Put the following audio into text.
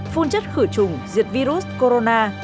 phun chất khử trùng diệt virus corona